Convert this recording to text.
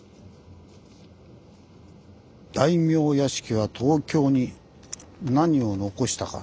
「大名屋敷は東京に何を残したか」。